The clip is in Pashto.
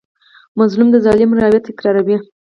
مظلوم د ظالم روایت تکراروي.